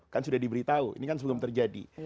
kan sudah diberitahu ini kan sebelum terjadi